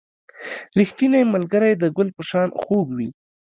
• ریښتینی ملګری د ګل په شان خوږ وي.